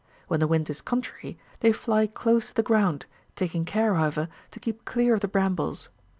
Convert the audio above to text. When the wind is contrary, they fly close to the ground, taking care, however, to keep clear of the brambles.